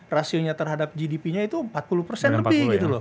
rasionya terhadap gdpnya itu empat puluh lebih gitu loh